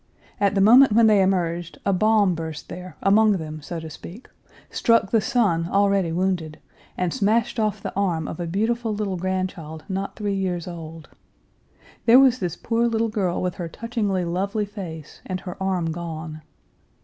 At the moment when they emerged, a bomb burst Page 296 there, among them, so to speak, struck the son already wounded, and smashed off the arm of a beautiful little grandchild not three years old. There was this poor little girl with her touchingly lovely face, and her arm gone.